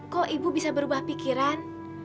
kok ibu bisa berubah pikiran